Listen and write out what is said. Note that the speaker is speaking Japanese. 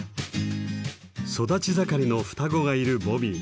育ち盛りの双子がいるボビー。